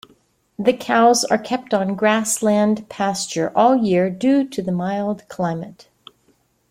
The cows are kept on grassland pasture all year due to the mild climate.